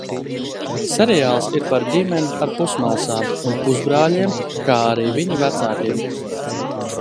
Seriāls ir par ģimeni ar pusmāsām un pusbrāļiem, kā arī viņu vecākiem.